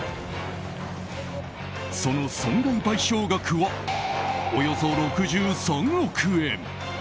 その損害賠償額はおよそ６３億円。